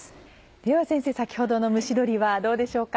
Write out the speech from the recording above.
では先生先ほどの蒸し鶏はどうでしょうか？